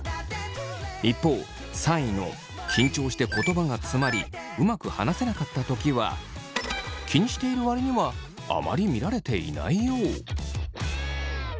一方３位の緊張して言葉がつまりうまく話せなかったときは気にしている割にはあまり見られていないよう。